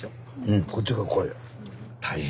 うんこっちが濃い。